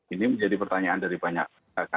ini menjadi pertanyaan dari banyak